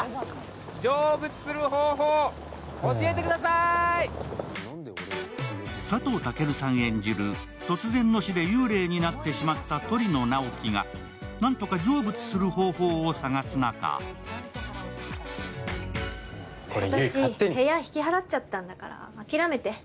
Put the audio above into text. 成仏する方法、教えてくださーい佐藤健さん演じる、突然の死で幽霊になってしまった鳥野直木がなんとか成仏する方法を探す中私、部屋引き払っちゃったんだから諦めて。